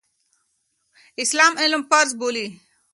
اسلام علم فرض بولي.